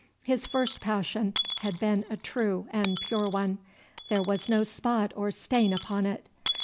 His first passion had been a true and pure one; there was no spot or stain upon it.